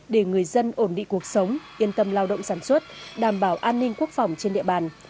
để người dân ổn định cuộc sống yên tâm lao động sản xuất đảm bảo an ninh quốc phòng trên địa bàn